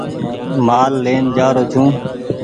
مآل لين جآرو ڇو ۔